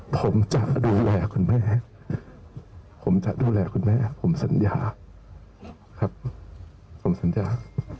ผมจะดูแลคุณแม่ผมจะดูแลคุณแม่ผมสัญญาครับผมสัญญา